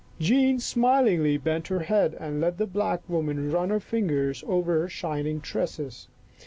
Jean smilingly bent her head and let the black woman run her fingers over her shining tresses.